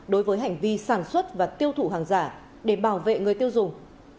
đối với hành vi sản xuất và tiêu thụ hàng giả để bảo vệ người tiêu dùng